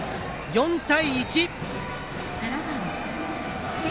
４対１。